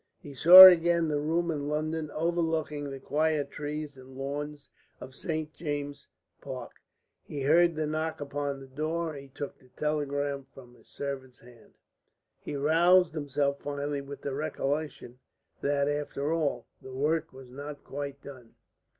He saw again the room in London overlooking the quiet trees and lawns of St. James's Park, he heard the knock upon the door, he took the telegram from his servant's hand. He roused himself finally with the recollection that, after all, the work was not quite done.